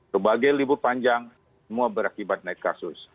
sebagai libur panjang semua berakibat naik kasus